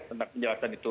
tentang penjelasan itu